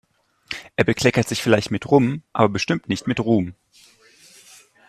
Er bekleckert sich vielleicht mit Rum, aber bestimmt nicht mit Ruhm.